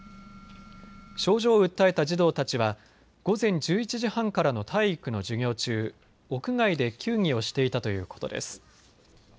症状を訴えた児童たちは午前１１時半からの体育の授業中、屋外で球技をしていたということです。